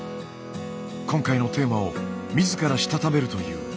今回のテーマをみずからしたためるという。